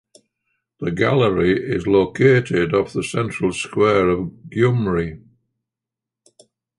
The Gallery is located off the central square of Gyumri.